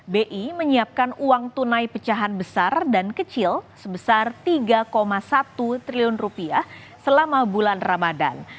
bi menyiapkan uang tunai pecahan besar dan kecil sebesar rp tiga satu triliun rupiah selama bulan ramadan